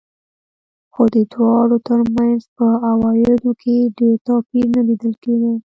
خو د دواړو ترمنځ په عوایدو کې ډېر توپیر نه لیدل کېده.